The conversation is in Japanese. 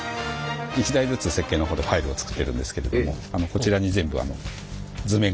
一台ずつ設計のほうでファイルを作っているんですけれどもこちらに図面？